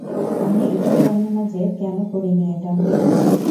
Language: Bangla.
আমি এটাও জানি না যে কেন করিনি এটা!